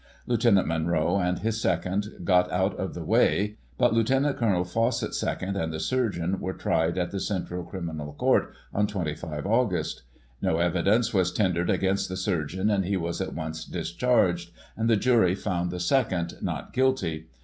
Lieut. Munro and his second got out of the way, but Lt. Col. Faw cett*s second and the surgeon were tried at the Central Criminal Court on 25 Aug. No evidence was tendered against the surgeon, and he was at once discharged, and the jury found the second "Not Guilty."